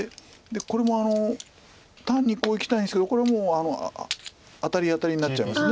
でこれも単にこういきたいんですけどこれもうアタリアタリになっちゃいます。